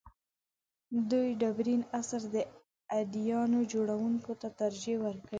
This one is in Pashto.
دوی ډبرین عصر د اديانو جوړونکو ته ترجیح ورکوي.